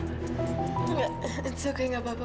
gak gak apa apa pak